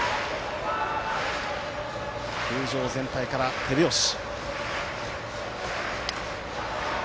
球場全体から手拍子。